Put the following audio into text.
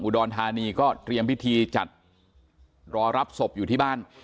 รธานีก็เตรียมพิธีจัดรอรับศพอยู่ที่บ้าน